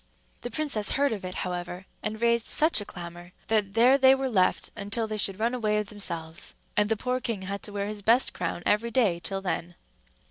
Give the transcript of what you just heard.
The princess heard of it, however, and raised such a clamor, that there they were left until they should run away of themselves; and the poor king had to wear his best crown every day till then.